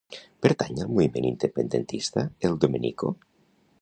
Pertany al moviment independentista el Domenico?